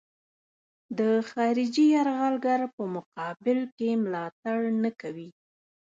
د خارجي یرغلګر په مقابل کې ملاتړ نه کوي.